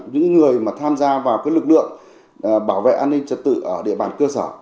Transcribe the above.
những người mà tham gia vào lực lượng bảo vệ an ninh trật tự ở địa bàn cơ sở